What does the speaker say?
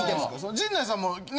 陣内さんもね